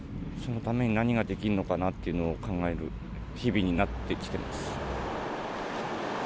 そのために何ができるのかなっていうのを考える日々になってきてます。